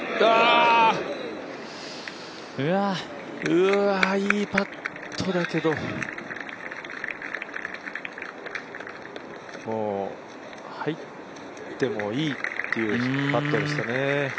うわ、いいパットだけどもう入ってもいいっていうパットでしたね。